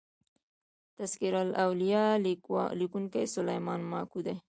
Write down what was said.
" تذکرة الاولیا" لیکونکی سلیمان ماکو دﺉ.